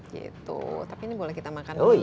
gitu tapi ini boleh kita makan dulu ya